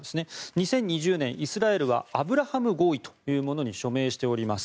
２０２０年、イスラエルはアブラハム合意というものに署名しております。